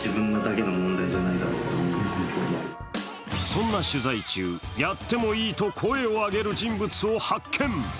そんな取材中、やってもいいと声を上げる人物を発見。